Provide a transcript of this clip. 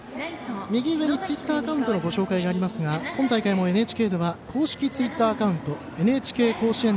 右上にツイッターアカウントのご紹介がありますが今大会もＮＨＫでは公式ツイッターアカウント